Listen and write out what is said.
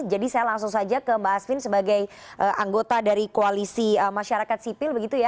jadi saya langsung saja ke mbak asfi sebagai anggota dari koalisi masyarakat sipil